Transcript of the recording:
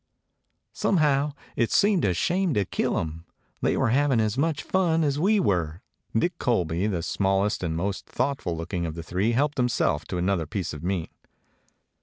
"Somehow it seemed a shame to kill 'em. They were having as much fun as we were." Dick Colby, the smallest and most thought 184 A KAFIR DOG ful looking of the three, helped himself to an other piece of meat.